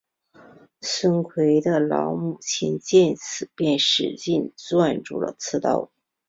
孙奎的老母亲见此便使劲攥住刺刀。